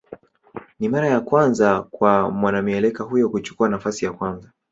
Ni mara ya kwanza kwa mwanamieleka huyo kuchukua nafasi ya kwanza